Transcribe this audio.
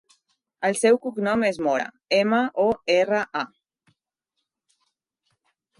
El seu cognom és Mora: ema, o, erra, a.